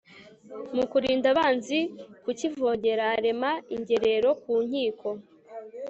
mu krinda abanzi kukivogera arema ingerero ku nkiko